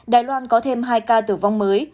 đài loan có thêm hai ca tử vong mới